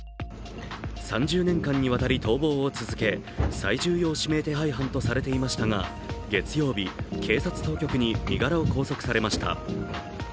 ３０年間にわたり逃亡を続け、最重要指名手配犯とされていましたが、月曜日、警察当局に身柄を拘束されました。